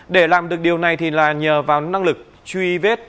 để làm được điều này thì là nhờ vào năng lực truy vết